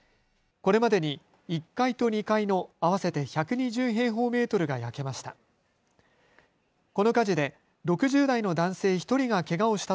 これまでに１階と２階の合わせて１２０平方メートルが焼けました。